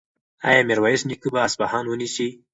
ایا میرویس نیکه به اصفهان ونیسي؟